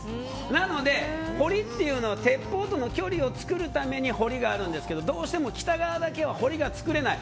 なので、堀っていうのは鉄砲との距離を作るために堀があるんですがどうしても北側だけ堀が作れない。